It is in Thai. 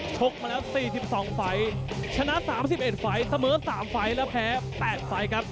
ชกมาแล้ว๔๒ไฟล์ชนะ๓๑ไฟล์เสมอ๓ไฟล์แล้วแพ้๘ไฟล์ครับ